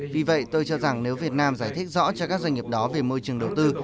vì vậy tôi cho rằng nếu việt nam giải thích rõ cho các doanh nghiệp đó về môi trường đầu tư